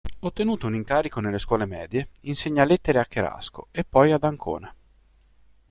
Ottenuto un incarico nelle scuole medie, insegna Lettere a Cherasco e poi ad Ancona.